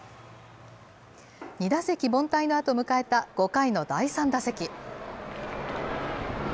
２打席凡退のあと、迎えた５回の第３打席。